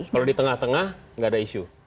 kalau di tengah tengah nggak ada isu